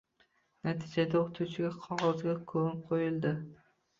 Natijada o`qituvchi qog`ozga ko`mib qo`yildi